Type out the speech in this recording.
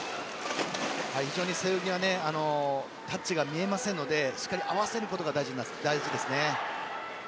非常に背泳ぎはタッチが見えませんのでしっかり合わせることが大事です。